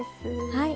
はい。